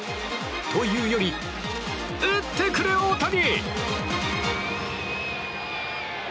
というより、打ってくれ大谷！